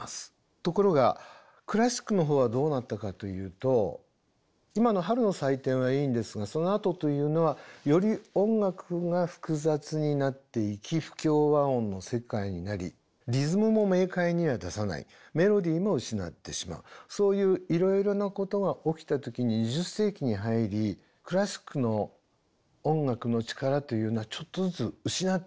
ところがクラシックのほうはどうなったかというと今の「春の祭典」はいいんですがそのあとというのはより音楽が複雑になっていき不協和音の世界になりリズムも明快には出さないメロディーも失ってしまうそういういろいろなことが起きた時に２０世紀に入りクラシックの音楽の力というのはちょっとずつ失っていったわけです。